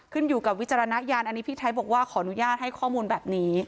ขึ้นอยู่กับวิจารณญาณอันนี้พี่ไทยบอกว่าขออนุญาตให้ข้อมูลแบบนี้